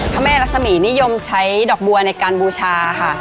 พระแม่รักษมีนิยมใช้ดอกบัวในการบูชาค่ะ